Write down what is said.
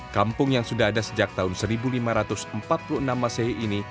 kampung yang sudah ada sejak tahun seribu lima ratus empat puluh enam masehi ini